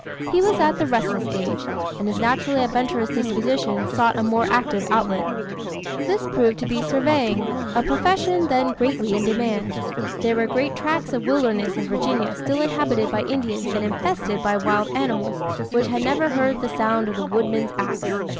He was at the restless age, and his naturally adventurous disposition sought a more active outlet. This proved to be surveying a profession then greatly in demand. There were great tracts of wilderness in Virginia still inhabited by Indians and infested by wild animals, which had never heard the sound of the woodman's axe.